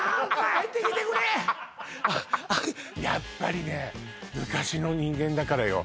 やっぱりね昔の人間だからよ